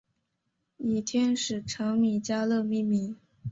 以天使长米迦勒命名。